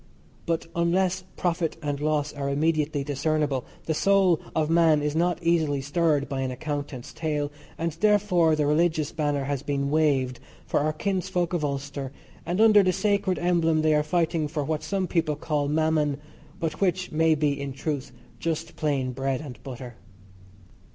But unless profit and loss are immediately discernible the soul of man is not easily stirred by an accountant's tale, and therefore the religious banner has been waved for our kinsfolk of Ulster, and under the sacred emblem they are fighting for what some people call mammon, but which may be in truth just plain bread and butter.